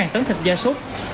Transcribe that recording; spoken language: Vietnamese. sáu tấn thịt da sốt